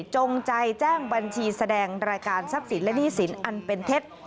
จงใจแจ้งบัญชีแสดงรายการทรัพย์สินและหนี้สินอันเป็นเท็จ